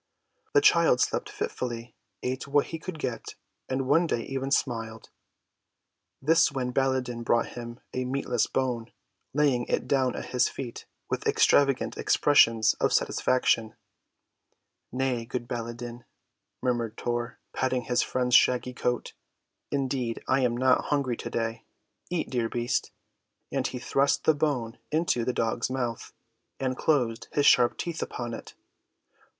The child slept fitfully, ate what he could get, and one day even smiled. This when Baladan brought him a meatless bone, laying it down at his feet with extravagant expressions of satisfaction. "Nay, good Baladan," murmured Tor, patting his friend's shaggy coat; "indeed I am not hungry to‐day. Eat, dear beast," and he thrust the bone into the dog's mouth, and closed his sharp teeth upon it.